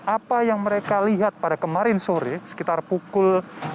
apa yang mereka lihat pada kemarin sore sekitar pukul